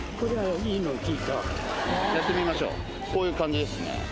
こういう感じですね。